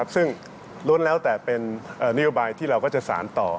ซึ่งล้วนแล้วแต่เป็นนโยบายที่เราก็จะสารต่อ